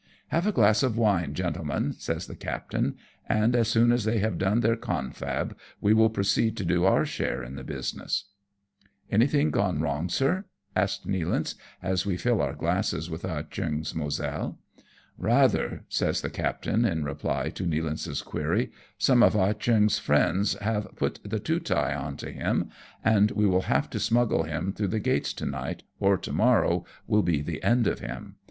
" Have a glass of wine, gentlemen," says the captain, " and as soon as they have done their confab we will proceed to do our share in the business." ABOUT WOO AH CHEONG. 93 " Anything gone wrong, sir ?" asks Nealance, as we fill our glasses with. Ah Cheong^s Moselle. "Rather/'' says the captain in reply to Nealance's query. " Some of Ah Cheong's friends have put the Tootai on to him, and we will have to smuggle him through the gates to night, or to morrow will he the end of him.